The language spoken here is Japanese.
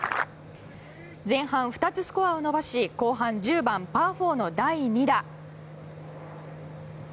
前半、２つスコアを伸ばし後半１０番、パー４の第２打。